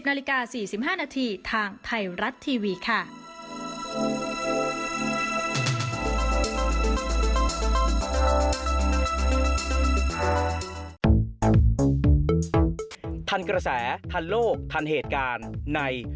๑๐นาฬิกา๔๕นาทีทางไทยรัตน์ทีวี